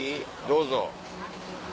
どうぞ。